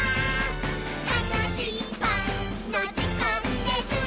「たのしいパンのじかんです！」